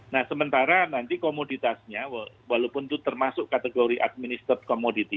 nah sementara nanti komoditasnya walaupun itu termasuk kategori administed komoditi